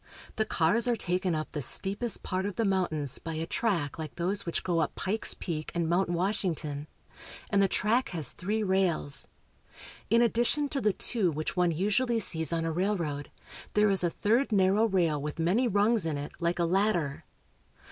The cars are taken up the steepest part of the mountains by a track like those which go up Pikes Peak and Mount Wash ington, and the track has three rails. In addition to the two, which one usually sees on a railroad, there is a third narrow rail with many rungs in it, like a ladder.